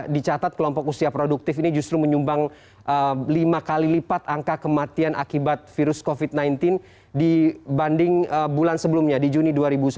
dicatat kelompok usia produktif ini justru menyumbang lima kali lipat angka kematian akibat virus covid sembilan belas dibanding bulan sebelumnya di juni dua ribu sembilan belas